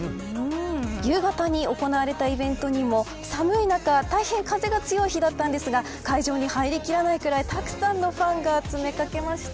夕方に行われたイベントにも寒い中、大変風の強い日でしたが会場に入りきらないほどのたくさんのファンが詰め掛けました。